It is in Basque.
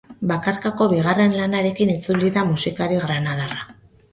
Bakarkako bigarren lanarekin itzuli da musikari granadarra.